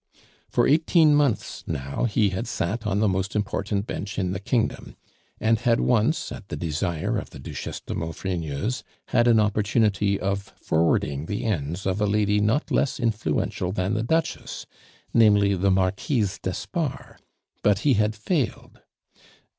For eighteen months now he had sat on the most important Bench in the kingdom; and had once, at the desire of the Duchesse de Maufrigneuse, had an opportunity of forwarding the ends of a lady not less influential than the Duchess, namely, the Marquise d'Espard, but he had failed.